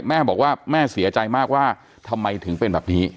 แม่บอกว่าแม่เสียใจมากว่าทำไมถึงเป็นแบบนี้